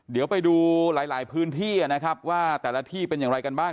เดี๋ยวไปดูหลายพื้นที่นะครับว่าแต่ละที่เป็นอย่างไรกันบ้าง